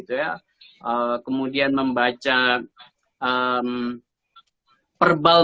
itu saya positif thinking jokowi itu punya commitment untuk memperbaiki